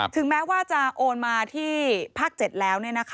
ถึงแม้ว่าจะโอนมาที่ภาค๗แล้ว